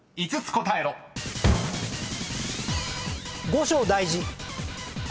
後生大事。